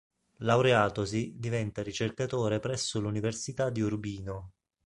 Laureatosi, diventa ricercatore presso l'Università di Urbino.